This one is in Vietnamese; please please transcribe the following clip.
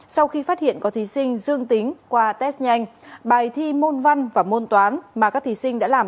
sau khi phát hiện có thí sinh dương tính qua test nhanh bài thi môn văn và môn toán mà các thí sinh đã làm